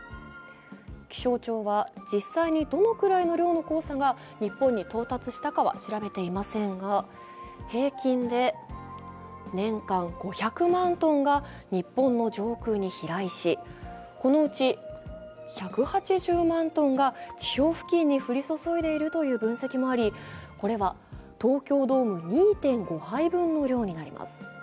気象庁は実際にどのくらいの量の黄砂が日本に到達したかは調べていませんが平均で年間５００万トンが日本の上空に飛来しこのうち１８０万トンが地表付近に降り注いでいるという分析もありこれは東京ドーム２．５杯分の量になります。